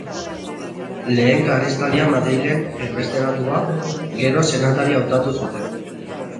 Lehen Karlistaldian Madrilen erbesteratua, gero senatari hautatu zuten.